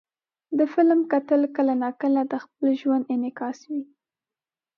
د فلم کتل کله ناکله د خپل ژوند انعکاس وي.